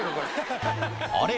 「あれ？